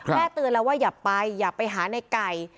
แม่เตือนเราว่าอย่าไปอย่าไปหาในไก่